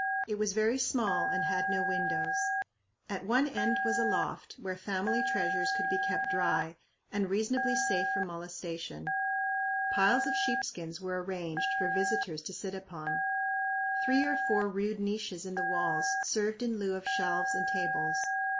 It was very small and had no windows. At one end was a loft where family treasures could be kept dry and reasonably safe from molestation. Piles of sheep skins were arranged for visitors to sit upon. Three or four rude niches in the walls served in lieu of shelves and tables.